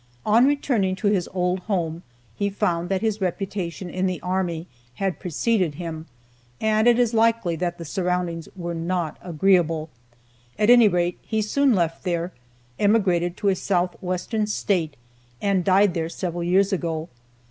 On returning to his old home, he found that his reputation in the army had preceded him, and it is likely that the surroundings were not agreeable. At any rate, he soon left there, emigrated to a southwestern State, and died there several years ago.